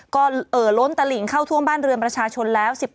ก็ล้นตะหลิงเข้าท่วมบ้านเรือนประชาชนแล้ว